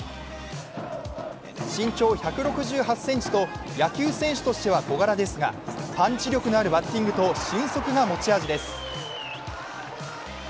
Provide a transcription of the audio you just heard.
身長１６８ｃｍと野球選手としては小柄ですがパンチ力のあるバッティングと俊足が持ち味です。